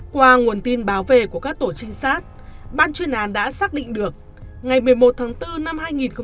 qua nguồn tin báo về của các tổ trinh sát ban chuyên án đã xác định được ngày một mươi một tháng bốn năm hai nghìn hai mươi